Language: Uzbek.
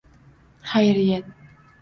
Xayriyat!